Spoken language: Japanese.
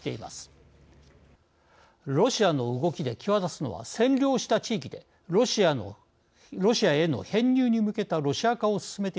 ロシアの動きで際立つのは占領した地域でロシアへの編入に向けたロシア化を進めていることです。